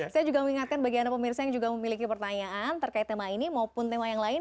saya juga mengingatkan bagi anda pemirsa yang juga memiliki pertanyaan terkait tema ini maupun tema yang lain